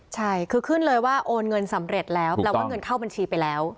ใช่คือขึ้นเลยว่าโอนเงินสำเร็จแล้วแปลว่าเงินเข้าบัญชีไปแล้ว